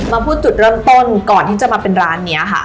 มาพูดจุดเริ่มต้นก่อนที่จะมาเป็นร้านนี้ค่ะ